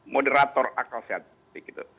moderator akal sehat